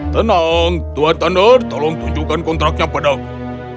tenang tuan thunders tolong tunjukkan kontraknya padaku